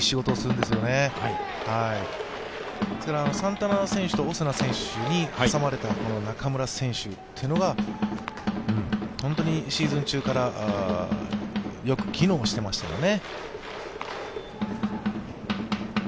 ですからサンタナ選手とオスナ選手に挟まれた中村選手というのが、本当にシーズン中からよく機能していましたよね。